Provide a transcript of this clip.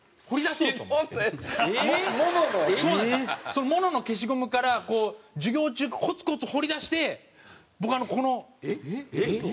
そのＭＯＮＯの消しゴムから授業中コツコツ彫り出して僕あのこの。えっ？